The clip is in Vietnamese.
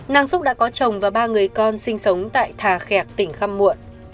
nang xúc đã có chồng và ba người con sinh sống tại thà khẹc tỉnh kham muộn